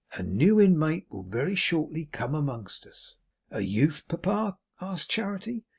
A new inmate will very shortly come among us.' 'A youth, papa?' asked Charity.